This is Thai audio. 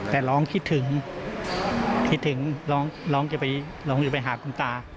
แต่ร้องคิดถึงร้องจะไปหาคุณตา